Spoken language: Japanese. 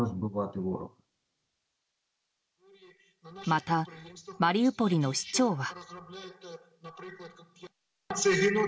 また、マリウポリの市長は。